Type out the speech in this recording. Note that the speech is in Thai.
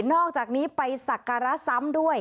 อกจากนี้ไปสักการะซ้ำด้วย